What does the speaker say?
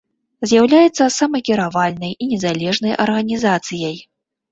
З'яўляецца самакіравальнай і незалежнай арганізацыяй.